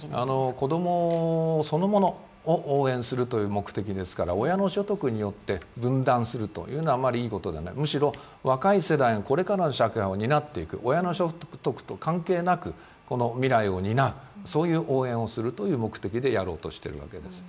子供そのものを応援するという手法ですから親の所得によって分断するというのはあまりいいことではない、むしろ若い世代、これからの社会を担っていく、親の所得と関係なく未来を担う応援をするという目的でやろうとしているわけです。